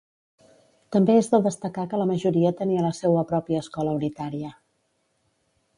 També és de destacar que la majoria tenia la seua pròpia escola unitària.